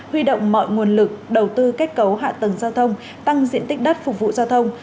huy động mọi nguồn lực đầu tư kết cấu hạ tầng giao thông tăng diện tích đất phục vụ giao thông